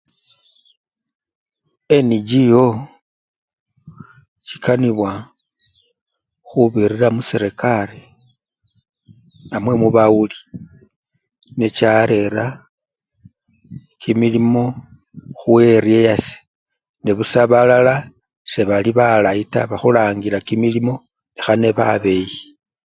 NGO chikanibwa khubirira muserekari namwe bawuli necharera kimilimo khu-eriya yase nebusa balala sebali balayi taa bakhulangila kimilimo nekhane babeyi.